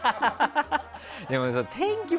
でも天気。